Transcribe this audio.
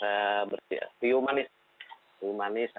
humanis agar tidak terlalu banyak masalah